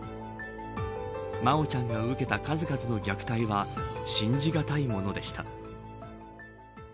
真愛ちゃんが受けた数々の虐待は信じがたいものでした。